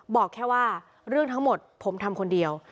บอกแค่ว่าเรื่องทั้งหมดผมทำคนเดียว